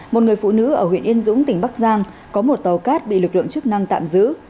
một người phụ nữ ở huyện yên dũng tỉnh bắc giang có một tàu cát bị lực lượng chức năng tạm giữ